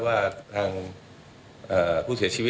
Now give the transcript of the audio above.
มันยังมีตรงไหน